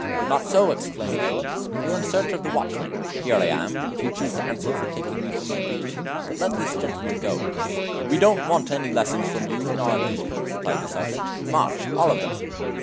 "Not so," exclaimed Philip; "you are in search of the watchman. Here I am, if you choose to answer for taking me from my duty. But let this gentleman go." "We don't want any lessons from you in our duty," replied the sergeant; "march! all of them!"